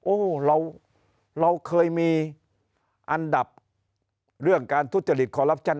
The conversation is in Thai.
โอ้โหเราเคยมีอันดับเรื่องการทุจริตคอลลับชั่น